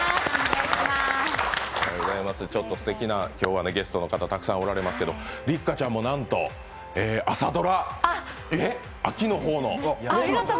今日は、すてきなゲストの方たくさんおられますけれども六花ちゃんもなんと朝ドラ、秋の方の。